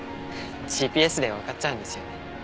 ＧＰＳでわかっちゃうんですよね。